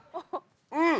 うん！